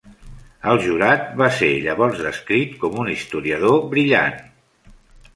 El jurat va ser llavors descrit com un historiador, brillant.